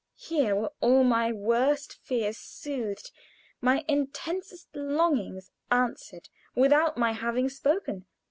Here were all my worst fears soothed my intensest longings answered without my having spoken.